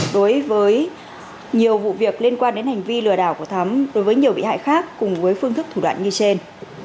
đối với nhiều vụ việc liên quan đến hành vi lừa đảo của thắm đối với nhiều bị hại khác cùng với phương thức thủ đoạn như trên